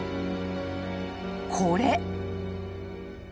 ［これ］